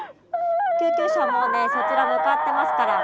救急車もうねそちら向かってますから。